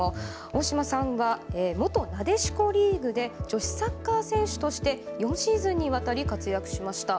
大嶋さんは元なでしこリーグで女子サッカー選手として４シーズンにわたり活躍しました。